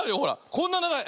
こんなながい。